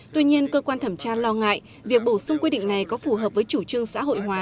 tuy nhiên cơ quan thẩm tra lo ngại việc bổ sung quy định này có phù hợp với chủ trương xã hội hóa